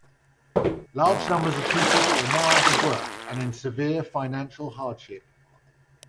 Large numbers of people were now out of work and in severe financial hardship.